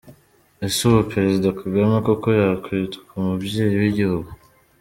Ese ubu Perezida Kagame koko yakwitwa umubyeyi w’igihugu!!